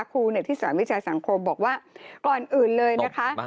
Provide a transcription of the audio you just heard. ครูที่สอนวิชาสังคมบอกว่าก่อนอื่นเลยนะคะ